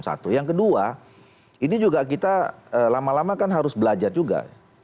satu yang kedua ini juga kita lama lama kan harus belajar juga